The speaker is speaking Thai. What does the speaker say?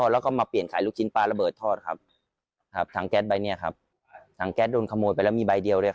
ระเบิดทอดครับครับถังแก๊สใบเนี้ยครับถังแก๊สโดนขโมยไปแล้วมีใบเดียวด้วย